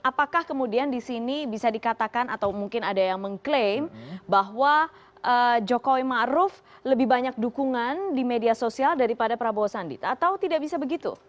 apakah kemudian di sini bisa dikatakan atau mungkin ada yang mengklaim bahwa jokowi ⁇ maruf ⁇ lebih banyak dukungan di media sosial daripada prabowo sandi atau tidak bisa begitu